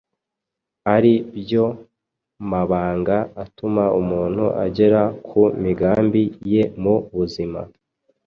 ari byo mabanga atuma umuntu agera ku migambi ye mu buzima.